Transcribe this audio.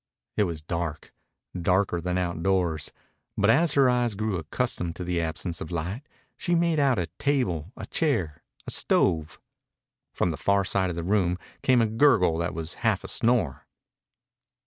It was dark darker than outdoors. But as her eyes grew accustomed to the absence of light she made out a table, a chair, a stove. From the far side of the room came a gurgle that was half a snore.